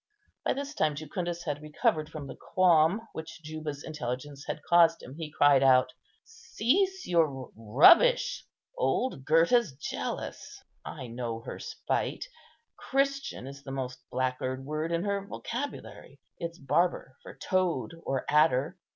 By this time Jucundus had recovered from the qualm which Juba's intelligence had caused him, and he cried out, "Cease your rubbish; old Gurta's jealous; I know her spite; Christian is the most blackguard word in her vocabulary, its Barbar for toad or adder.